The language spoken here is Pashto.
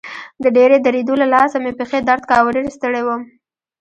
د ډېرې درېدو له لاسه مې پښې درد کاوه، ډېر ستړی وم.